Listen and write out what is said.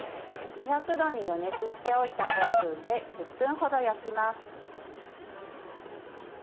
２００度に予熱しておいたオーブンで１０分ほど焼きます。